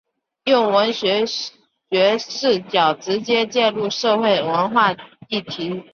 用文学视角直接介入社会文化议题。